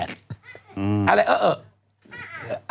๙๘นะ